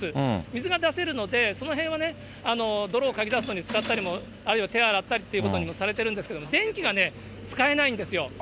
水が出せるので、そのへんは泥をかき出すのに使ったりも、あるいは手を洗ったりということもされてるんですけれども、電気が使えないんですよ。